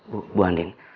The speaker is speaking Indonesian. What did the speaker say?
bu bu handi